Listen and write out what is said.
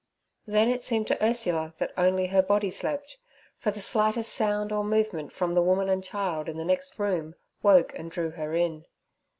Then it seemed to Ursula that only her body slept, for the slightest sound or movement from the woman and child in the next room woke and drew her in.